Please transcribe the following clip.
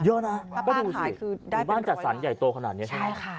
เยอะนะก็ดูสิบ้านจัดสรรใหญ่โตขนาดนี้ใช่ไหม